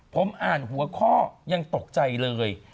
ผมอ่านหัวข้อยังตกใจเลย